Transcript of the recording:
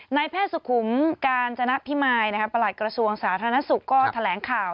ในแพทย์สุขุมการจนับพิมายนะครับประหลักกระทรวงสาธารณสุขก็แถลงข่าว